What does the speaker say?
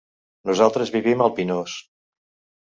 Nosaltres vivim al Pinós.